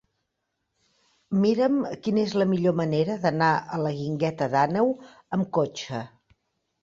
Mira'm quina és la millor manera d'anar a la Guingueta d'Àneu amb cotxe.